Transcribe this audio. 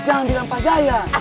jangan dilampas saya